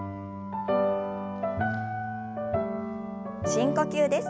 深呼吸です。